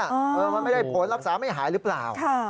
เออมันไม่ได้ผลรักษาไม่หายหรือเปล่า